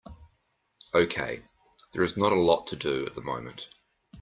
Okay, there is not a lot to do at the moment.